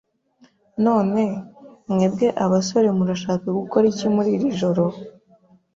None, mwebwe abasore murashaka gukora iki muri iri joro?